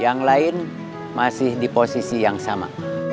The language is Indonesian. yang lain masih di posisi yang sama